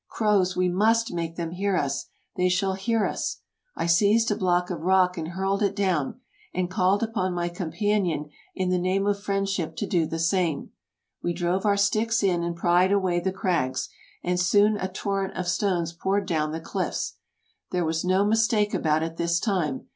" Croz, we tmist make them hear us — they shall hear us !" I seized a block of rock and hurled it down, and called upon my companion in the name of friendship to do the same. We drove our sticks in and pried away the crags, and soon a torrent of stones poured down the cliffs. There was no mistake about it this time.